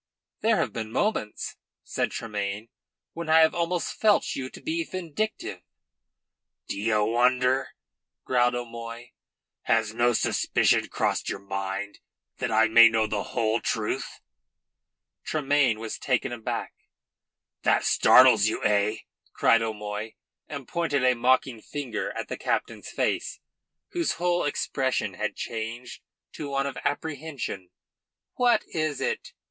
"There have been moments," said Tremayne, "when I have almost felt you to be vindictive." "D'ye wonder?" growled O'Moy. "Has no suspicion crossed your mind that I may know the whole truth?" Tremayne was taken aback. "That startles you, eh?" cried O'Moy, and pointed a mocking finger at the captain's face, whose whole expression had changed to one of apprehension. "What is it?"